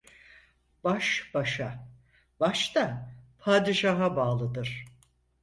Baş başa, baş da padişaha bağlıdır.